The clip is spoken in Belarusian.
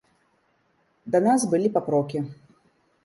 Да нас былі папрокі.